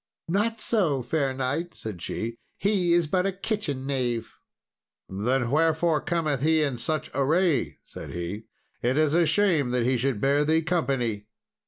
"Not so, fair knight," said she; "he is but a kitchen knave." "Then wherefore cometh he in such array?" said he; "it is a shame that he should bear thee company."